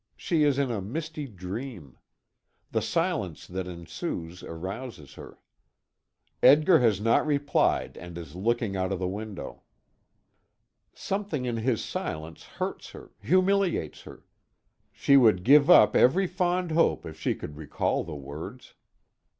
She is in a misty dream. The silence that ensues arouses her. Edgar has not replied, and is looking out of the window. Something in his silence hurts her, humiliates her. She would give up every fond hope if she could recall the words.